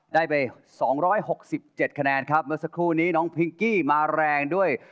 ได้ไป๒๖๗คะแนนครับเมื่อสักครู่นี้น้องพิงกี้มาแรงด้วย